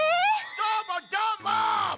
どーもどーもっ！